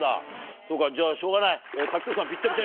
そうかじゃしょうがない。